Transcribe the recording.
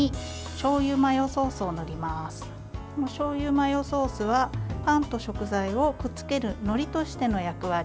しょうゆマヨソースはパンと食材をくっつけるのりとしての役割